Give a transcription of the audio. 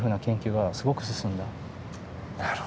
なるほど。